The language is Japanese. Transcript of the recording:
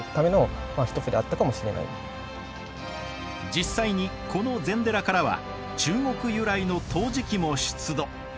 実際にこの禅寺からは中国由来の陶磁器も出土。